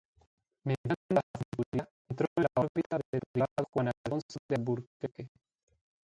Mediando la centuria, entró en la órbita del privado Juan Alfonso de Alburquerque.